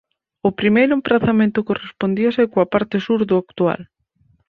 O primeiro emprazamento correspondíase coa parte sur do actual.